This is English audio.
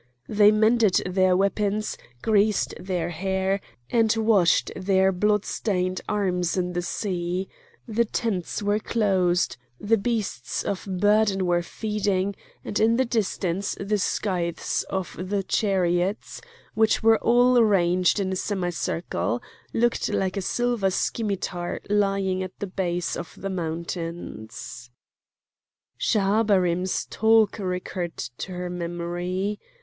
They mended their weapons, greased their hair, and washed their bloodstained arms in the sea; the tents were closed; the beasts of burden were feeding; and in the distance the scythes of the chariots, which were all ranged in a semicircle, looked like a silver scimitar lying at the base of the mountains. Schahabarim's talk recurred to her memory.